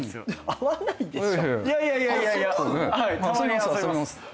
合わないでしょ？